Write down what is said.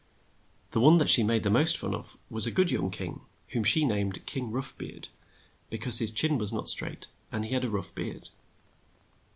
The one that she made the most fun of was a good young king, whom she named King Rough beard, be cause his chin was not straight, and he had a rough beard.